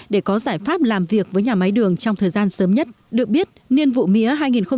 để có giải pháp làm việc với nhà máy đường trong thời gian sớm nhất được biết niên vụ mía hai nghìn một mươi chín hai nghìn hai mươi